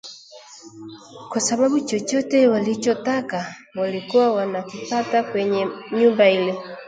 kwa sababu chochote walichotaka walikuwa wanakipata kwenye nyumba ile